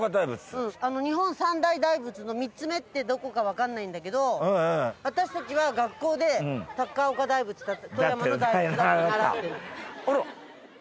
日本三大大仏の３つ目ってどこかわかんないんだけど私たちは学校で高岡大仏だって富山の大仏だって習ってる。